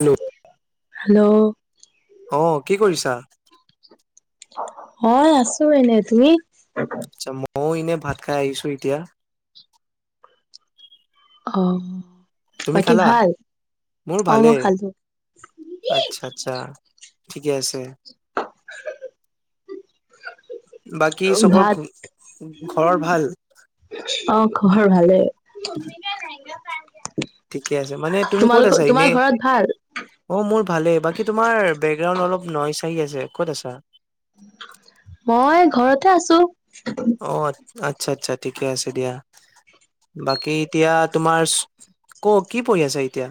Hello hello অ কি কৰিছা? মই আছো এনে। তুমি? আচ্ছা। মইও এনে ভাত খাই আহিছো এতিয়া। অ। তুমি বাকী খালা? ভাল? মোৰ অ মই ভালেই। খালো। আচ্ছা আচ্ছা। ঠিকে আছে। [unintelligible] বাকী চবৰ ভাত ঘ ঘৰৰ ভাল? অ খবৰ ভালেই। ঠিকে আছে। মানে তুমি ক'ত আছা এনে? ভাল অ মোৰ ভালেই। বাকী তোমাৰ বেকগ্ৰাউণ্ড অলপ নইছ আহি আছে, ক'ত আছা? মই ঘৰতে আছো। অ আচ্ছা আচ্ছা ঠিকে আছে দিয়া। বাকী এতিয়া তোমাৰ ক কি পঢ়ি আছা এতিয়া?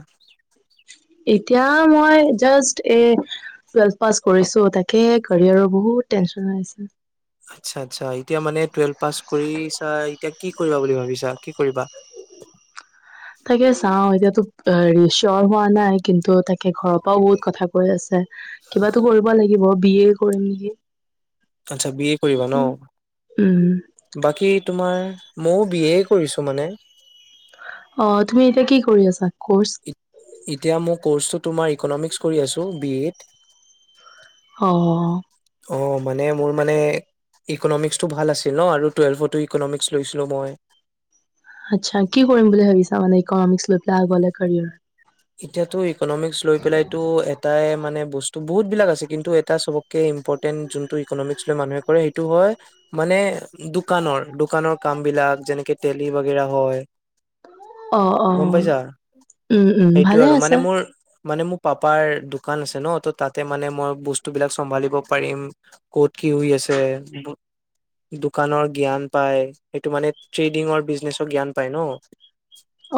এতিয়া মই জাষ্ট এ টুৱেলভ পাছ কৰিছো। তাকে কেৰিয়াৰৰ বহুত টেনচন হৈ আছে। আচ্ছা আচ্ছা। এতিয়া মানে টুৱেলভ পাছ কৰিছাই, এতিয়া কি কৰিবা বুলি ভাবিছা কি কৰিবা? তাকে চাওঁ। এতিয়াতো চিয়ৰ হোৱা নাই, কিন্তু তাকে ঘৰৰ পৰাও বহুত কথা কৈ আছে। কিবাতো কৰিব লাগিব বি এ কৰিম নেকি। আচ্ছা বি এ কৰিবা ন? উম উম। বাকী তোমাৰ, মইও বি এ কৰিছো মানে। অ তুমি এতিয়া কি কৰি আছা কৰ্চ? এতিয়া মোৰ কৰ্চটো তোমাৰ ইকনমিক্স কৰি আছো বি এত। অ। অ মানে মোৰ মানে, ইকনমিক্সটো ভাল আছিল ন, আৰু টুৱেলভতো ইকনমিক্স লৈছিলোঁ মই। আচ্ছা, কি কৰিম বুলি ভাবিছা মানে ইকনমিক্স লৈ পেলাই আগলৈ কেৰিয়াৰ? এতিয়াতো ইক'নমিক্স লৈ পেলাইতো তাই মানে বস্তু বহুত বিলাক আছে, কিন্তু এটা চবতকে ইম্পৰ্টেণ্ট যোনটো ইক'নমিক্স লৈ মানুহে কৰে, সেইটো হয়। মানে দোকানৰ, দোকানৰ কাম বিলাক যেনেকে ডেইলি বাগৰা হয়। অ', গম অ'। পাইছা উম্, উম্ সেইটোয়ে ভালে আৰু মানে আছে। মোৰ মানে মোৰ পাপাৰ দোকান আছে ন, তাতে মানে মই বস্তু বিলাক চম্ভালিব পাৰিম। ক'ত কি হৈ আছে। দোকানৰ জ্ঞান পায়, সেইটো মানে ট্ৰেডিঙৰ বিজ্নেচৰ জ্ঞান পায় ন?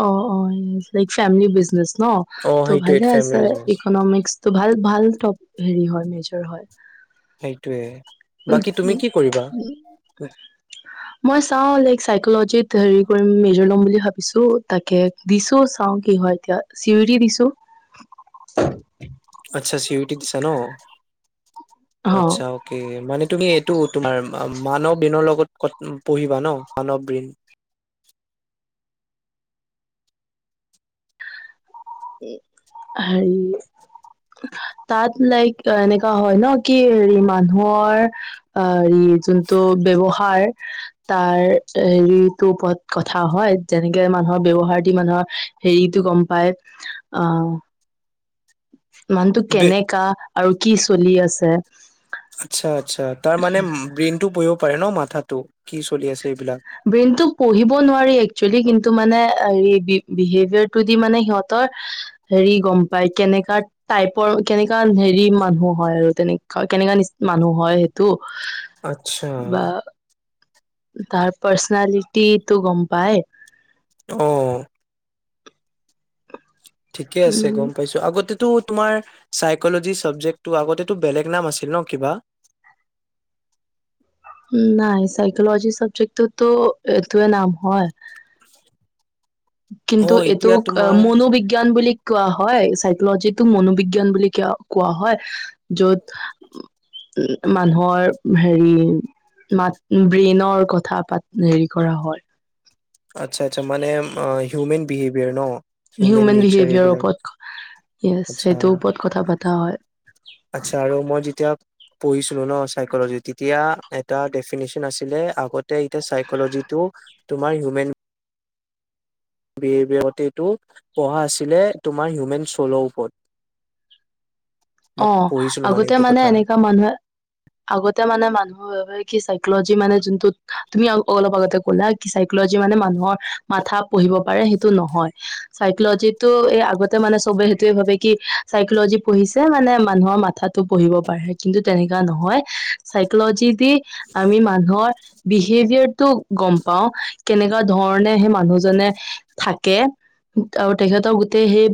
অ', অ', বিগ। ফেমিলী বিজনেচ ন, অ ত সেইটোৱে ভালে ফেমিলি আছে বিজনেছ। ইক'নমিক্স। ত ভাল ভাল টপ হেৰি হয়, মেজৰ হয়। সেইটোয়ে, উম, বাকী তুমি উম। কি কৰিবা? মই চাওঁ, লাইক চাইকলজিত হেৰি কৰিম, মেজৰ ল'ম বুলি ভাবিছোঁ তাকে। দিছোঁ, চাওঁ কি হয় এতিয়া, চি অ ডি দিছোঁ। আচ্ছা, চি অ ডি দিছা ন? অ আচ্ছা। মানে তুমি এইটো তোমাৰ মানৱ দিনৰ লগত পঢ়িবা ন! মানৱ বীণ। হেৰি তাত লাইক এনেকা হয় ন, কি হেৰি মানুহৰ অ', ই যোনটো ব্যৱহাৰ তাৰ, হেৰি তোৰ ওপৰত কথা হয়। যেনেকে মানুহৰ ব্যৱহাৰ দি মানুহৰ হেৰিটো গম পাই, অ'মানুহটো কেনেকা। আৰু কি চলি আছে? আচ্ছা, আচ্ছা, তাৰ মানে ব্ৰেইন টো পঢ়িব পাৰে ন, মাথাটো কি চলি আছে এইবিলাক। ব্ৰেইনটোক পঢ়িব নোৱাৰি একচুৱেলি, কিন্তু মানে এই বিহেভিয়াৰটো দি মানে সিহঁতৰ হেৰি গম পায়, কেনেকা টাইপৰ কেনেকা হেৰি মানুহ হয় আৰু তেনেকা, কেনেকা মানুহ হয়। তো, আচ্ছা বা, তাৰ পাৰ্চনেলিটিটো গম পায়। অ'। ঠিকে আছে, উম গম পাইছোঁ। আগতেটো তোমাৰ চাইকলজি চাবজেক্টটো আগতেটো বেলেগ নাম আছিল ন, কিবা? উম', নাই চাইকলজি চাব্জেক্টটো এইটোয়ে নাম হয়। অ কিন্তু এতিয়া এইটোক তোমাৰ মনোবিজ্ঞান বুলি কোৱা হয়, চাইকলজি টো মনোবিজ্ঞান বুলি কোৱা হয়। য'ত উম্, মানুহৰ হেৰি মাত-ব্ৰেইনৰ কথা পাত হেৰি কৰা হয়। আচ্ছা, আচ্ছা, মানে হিউমেন বিহেভিয়াৰ ন? হিউমেন নেচাৰ বিহেভিয়াৰৰ এইবিলাক ওপৰত, য়েছ। আচ্ছা সেইটোৰ ওপৰত কথা পতা হয়। আচ্ছা আৰু মই যেতিয়া পঢ়িছিলোঁ ন, চাইকলজিত। তেতিয়া এটা ডেফিনেশচন আছিলে, আগতে এতিয়া চাইকলজি টো তোমাৰ হিউমেন বিহেভিয়াৰত এইটো পঢ়া আছিলে, তোমাৰ হিউমেন চ'লৰ ওপৰত। মোক অ', পঢ়িছিলো আগতে এইটো মানে কথা এনেকা মানুহে আগতে মানে মানুহৰ কি চাইকলজি মানে যোনটোত, তুমি অলপ আগতে ক'লা। চাইকলজি মানে মানুহৰ মাথা পঢ়িব পাৰে, সেইটো নহয়। চাইকলজিত টো, এই আগতে মানে চবে সেইটোয়ে ভাবে, কি চাইকলজি পঢ়িছে যে মানে মানুহৰ মাথাটো পঢ়িব পাৰে, কিন্তু তেনেকুৱা নহয় চাইকলজি দি আমি মানুহৰ বিহেভিয়াৰ টো গম পাওঁ, কেনেকুৱা ধৰণে সেই মানুহজনে থাকে। আৰু তেখেতৰ গোটেই সেই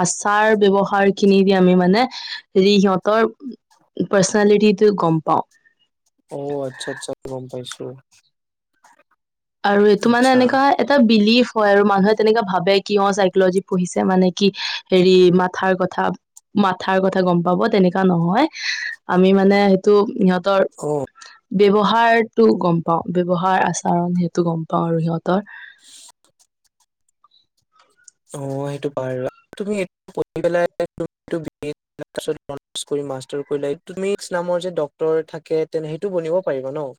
আচাৰ ব্যৱহাৰ খিনি দি আমি মানে, হেৰি সিহঁতৰ পাৰ্চনেলিটিটো গম পাওঁ। অ', আচ্ছা আচ্ছা গম পাইছোঁ। আৰু এইটো মানে এনেকা হয় এটা বিলিভ হয় আৰু মানুহে তেনেকা ভাবে কিয় চাইকলজি পঢ়িছে মানে কি হেৰি মাথাৰ কথা। মাথাৰ কথা গম পাব তেনেকুৱা নহয়, আমি মানে সেইটো সিহঁতৰ অ। ব্যৱহাৰটো গম পাওঁ। ব্যৱহাৰ আচাৰণ সেইটো গম পাওঁ আৰু সিহঁতৰ। অ', সেইটো [inaudible] [inaudible] মাষ্টাৰ কৰিলা সেইটো তুমি [inaudible] নামৰ যে ডক্টৰ থাকে, তেনে সেইটো বনিব পাৰিবা ন'?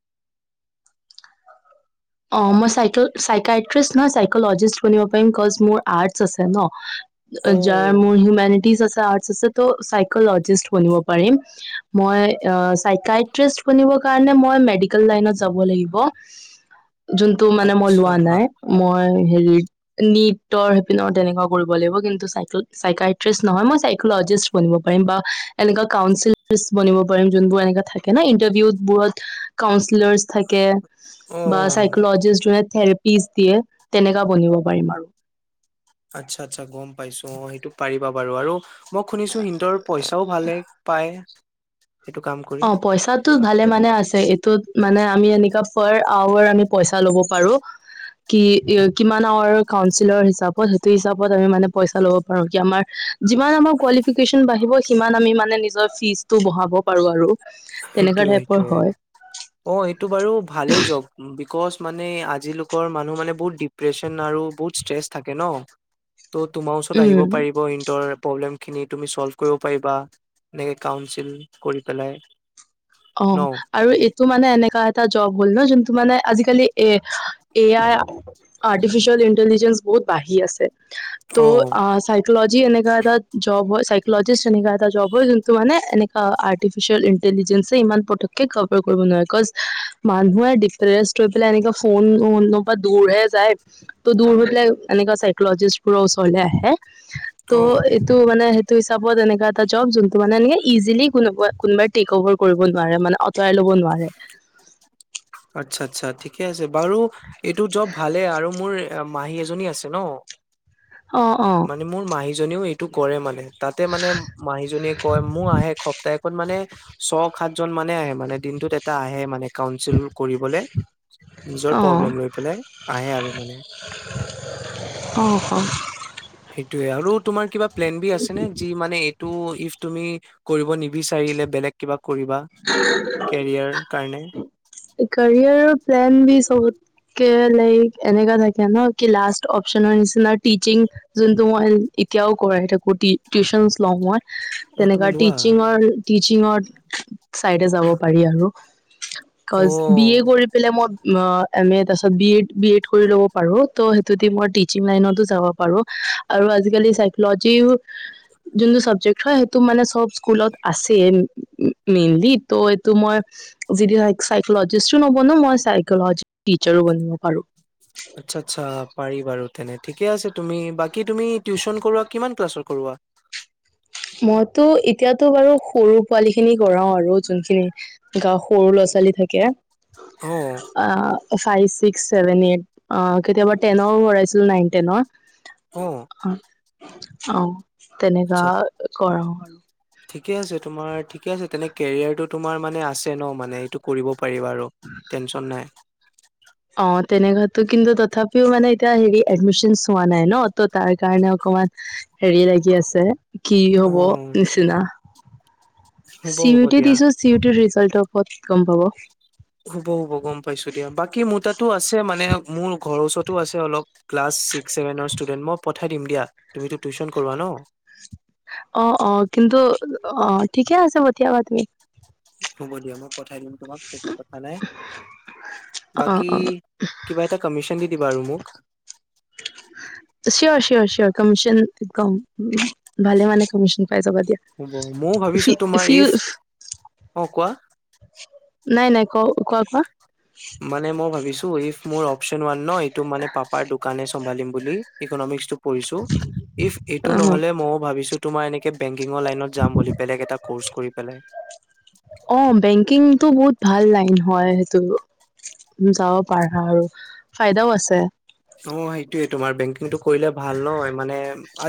অ', মই চাইকিয়াট্ৰিষ্ট ন' চাইকলজিষ্ট বনিব পাৰিম বিকচ মোৰ আৰ্টচ আছে ন'। যাৰ অ', মোৰ হিউমেনিটিজ আছে আৰ্টচ আছে ত' চাইকলজিষ্ট বনিব পাৰিম। মই আ, চাইকিয়াট্ৰিষ্ট বনিব কাৰণে মই মেডিকেল লাইনত যাব লাগিব। যোনটো মানে মই আচ্ছা লোৱা নাই মই হেৰিত নিটৰ সিপিনৰ তেনেকুৱা কৰিব লাগিব কিন্তু চাইকেল চাইকাট্ৰিষ্ট নহয় মই চাইকলজিষ্ট বনিব পাৰিম বা এনেকা কাউনচিলিষ্ট বনিব পাৰিম যোনবোৰ এনেকা থাকে না ইণ্টাৰভিউত বোৰত কাউঞ্চিলাৰচ থাকে বা অ', চাইকলজিষ্ট যোনে থেৰাপি দিয়ে তেনেকা বনিব পাৰিম আৰু আচ্ছা আচ্ছা গম পাইছো অ' সেইটো পাৰিবা বাৰু আৰু মই শুনিছো সিহঁতৰ পইচাও ভালে পায় সেইটো কাম কৰি অ' পইচা এইটো ভালে মানে আছে এইটোত মানে আমি এনেকুৱা পাৰ আৱাৰ আমি পইচা ল'ব পাৰো। কি কিমান আউৰ কাউঞ্চিলৰ হিচাপত সেইটো হিচাপত আমি মানে পইচা লব পাৰো কি আমাৰ যিমান আমাৰ কোৱালিফিকেচন বাঢ়িব সিমান আমি মানে নিজৰ ফিজটো বঢ়াব পাৰো আৰু তেনেকুৱা সেইটোয়ে টাইপৰ সেইটোয়ে হয়। অ' এইটো বাৰু ভালে জব বিকজ মানে আজিলোকৰ মানুহ মানে বহুত ডিপ্ৰেছনৰ আৰু বহুত ষ্ট্ৰেইছ থাকে ন ত তোমাৰ ওচৰত আহিব উম পাৰিব ইন্টাৰ প্ৰবেলেম খিনি তুমি চল্ভ কৰিব পাৰিবা এনেকে কাউচিল কৰি পেলায়। অ' আৰু এ ইটো মানে এনেকা এটা জব হ'ল ন যোনটো মানে আজিকালি এ আই আৰ্টিফিচিয়েল ইণ্টেলিজেঞ্চ বহুত বাঢ়ি আছে। ত অ', আ চাইকলজি এনেকা এটা জব হয় চাইকলজিষ্ট এনে এটা জবৰ যোনটো মানে এনেকা আৰ্টিফিচিয়েল ইণ্টেলিজেন্ঞ্চ ইমান পটকে কভাৰ কৰিব নোৱাৰে বিকজ মানুহে ডিপ্ৰেছ হয় পেলাই এনেকা ফোন উন [inaudible] যাই ত দূৰ হয় পেলাই এনেকা চাইকলজিষ্ট বোৰৰ ওচৰলৈ আহে। অ', ত মানে সেইটো হিচাপত এনেককা এটা জব যোনটো মানে এনে ইজিলি কোন কোনোবাই টেক'অভাৰ কৰিব নোৱাৰে মানে আঁতৰাই ল'ব নোৱাৰে। আচ্ছা আচ্ছা ঠিকে আছে বাৰু এইটো জব ভালে আৰু মোৰ এ মাহী এজনী আছে ন অ' অ'। মানে মোৰ মাহীজনীও এইটো কৰে মানে। তাতে মানে মাহীজনীয়ে কয় মোৰ আহে সপ্তাহখন মানে- ছ সাতজন মানে আহে মানে দিনটোত এটা আহে মানে- কাউচিল কৰিবলৈ নিজৰ প্ৰব্লেম লৈ পেলাই আহে আৰু মানে- অঁ অঁ! সেইটোয়ে আৰু তোমাৰ কিবা প্লেন বি আছে ন যি মানে এইটো ইফ তুমি- কৰিব নিবিচাৰিলে বেলেগ কিবা কৰিবা কেৰিয়াৰ কাৰণে- কাৰিয়াৰৰ প্লান বি ছবতে- কে লাইক এনেকা থাকে ন কি লাষ্ট অপচনৰ নিচিনা টিচি। যোনটো মই এতিয়াও কৰাই থাকো টিউচন লওঁ মই- অ তুমি তেনেকা লোৱা টিচিঙৰ টিচিঙৰ চাইডে যাব পাৰি আৰু অ কজ্জ বি এ কৰি- পে মই এম এ তাৰ পিছত বি এড বি এড কৰি ল'ব পাৰো ত' সেইটোতে মই টিচিং লাইনতো যাব পাৰো। আৰু আজিকালি চাইকলজিও- যোনটো চাবজেক্ট হয় সেইটো মানে চব স্কুলত আছে। মেইনলি ত' এইটো মই যদি হয়। চাইকেলজিষ্টো নবনো মই চাইকেলজ টিচাৰো বনিব পাৰোঁ। আচ্ছা আচ্ছা পাৰি বাৰু তেনে ঠিকে আছে তুমি বাকী তুমি টিউশচন কৰোৱা কিমান ক্লাছৰ কৰোৱা? মইতো এতিয়াতো বাৰু সৰু পোৱালি খিনি কৰাও আৰু যোনখিনি- গাৱত সৰু ল'ৰা ছোৱালী থাকে। অঁ। অঁ ফাইভ ছিক্স ছেভেন এইট অঁ কেতিয়াবা টেনৰো ভৰাইছিলো নাইন টেনৰ। অ অঁ অঁ তেণেকা আচ্ছা কৰাও আৰু। ঠিকে আছে তোমাৰ ঠিকে আছে তেনে কেৰিয়াৰটো তোমাৰ মানে আছে ন মানে এইটো কৰিব পাৰিবা আৰু। টেনশচন নাই। অঁ তেনেকোৱাতো কিন্তু তথাপিও মানে এতিয়া হেৰি এডমিচন হোৱা নাই ন ত তাৰ কাৰণে অকমান। হেৰি লাগি আছে, কি অ হব নিচিনা। হ'ব চি হ'ব বি টি দিয়া। দিছো, চি বি টিৰ ৰিজাল্টৰ ওপৰত গম পাব। হব হব গম পাইছো দিয়া, বাকী মোৰ তাতো আছে মানে মোৰ ঘৰৰ ওচৰতো আছে অলপ। ক্লাছ ছিক্স, চেভেনৰ ষ্টুডেণ্ট, মই পঠাই দিম দিয়া। তুমিতো টিউচন কৰোৱা ন? অ অ কিন্তু অ ঠিকে আছে পঠিয়াবা তুমি। হ'ব দিয়া মই পঠাই দিম তোমাক সেইটো কথা নাই। অ বাকী, অ কিবা এটা কামিচন দি দিবা আৰু মোক। চিয়ৰ চিয়ৰ চিয়ৰ, কমিশন কম। ভালে মানে কমিশন পাই যাবা দিয়া। হ'ব ময়ো ফি ফিল অঁ কোৱা? নাই নাই কও, কোৱা কোৱা? মানে মই ভাবিছো, ইফ মোৰ অপচন ওৱান ন, এইটো মানে পাপাৰ দোকানে চম্ভালিম বুলি। ইকনমিক্সটো পঢ়িছো, ইফ এইটো অ নহ'লে মইও ভাবিছো। তোমাৰ এনেকে বেংকিঙৰ লাইনত যাম বুলি, বেলেগ এটা কৰ্চ কৰি পেলাই। অঁ বেংককিংটো বহুত ভাল লাইন হয় সেইটো। যাব পাৰা আৰু, ফাইদাও আছে। অ, সেইটোয়ে তোমাৰ বেংকিংটো কৰিলে ভাল ন, মানে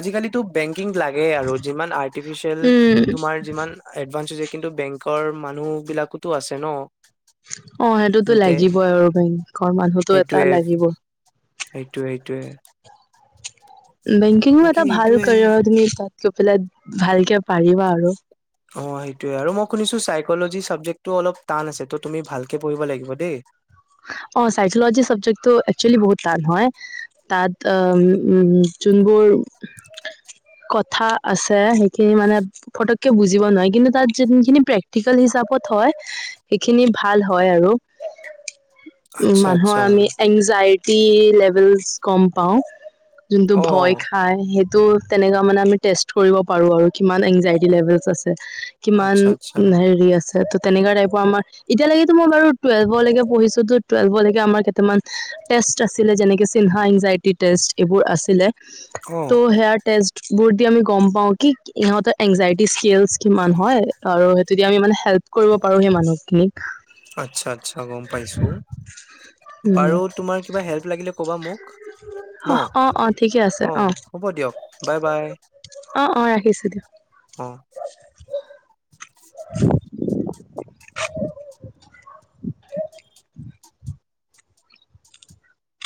আজিকালিতো বেংকিং লাগেই আৰু যিমান আৰ্টিফিচিয়েল উম। তোমাৰ যিমান এডভাঞ্চ হৈছে। কিন্তু বেংকৰ মানুহ বিলাকোতো আছে ন। অ সেইটোতো তেন্তে লাগিবই আৰু বেংকৰ মানুহতো এটা লাগিব। এইটোৱে এইটোৱে। বেংককিংও এটা ভাল সেইটোয়ে কেৰিয়াৰৰ তুমি তাত গৈ পেলাই ভালকে পাৰিবা আৰু। অঁ সেইটোৱে আৰু। মই শুনিছো চাইকলজি চাবজেক্টটো অলপ টান আছে, ত তুমি ভালকে পঢ়িব লাগিব দেই। অ চাইচলজি চাবজেক্টটো একচ'লি বহুত টান হয়। তাত উ উ যোনবোৰ। কথা আছে সেইখিনি মানে, ফটককে বুজিব নোৱাৰি, কিন্তু তাত যোনখিনি প্ৰেক্টিকেল হিচাপত হয়, সেইখিনি ভাল হয় আৰু। উ আচ্ছা, মানুহৰ আচ্ছা। আমি এংজাইটি লেভেলচ গম পাওঁ। যোনটো অ, ভয় খাই সেই তো তেনেকা মানে আমি টেষ্ট কৰিব পাৰো আৰু কিমান এনজাইটি লেভেলচ আছে। কিমান আচ্ছা, আচ্ছা। হেৰি আছে, তো তেনেকা টাইপৰ আমাৰ এতিয়ালৈকেতো মই বাৰু টুৱেল্ভৰলৈকে পঢ়িছো। টুৱেলভৰলৈকে আমাৰ কেইটামান টেষ্ট আছিলে, যেনেকে চিহ্না এনজাইটি টেষ্ট এইবোৰ আছিলে। অ, তো' হেয়াৰ টেষ্ট বোৰ দি আমি গম পাওঁ কি ইহঁতৰ এনজাইটি স্কিলচ কিমান হয়? আৰু যদি আমি মানে হেল্প কৰিব পাৰো সেই মানুহখিনিক। আচ্ছা, আচ্ছা গম পাইছো, উম বাৰু তোমাৰ কিবা হেল্প লাগিলে ক'বা মোক ন। অ অ ঠিকে অ, হ'ব দিয়ক, বাই- বাই। অঁ, অঁ, ৰাখিছো দিয়ক। অ [unintelligible]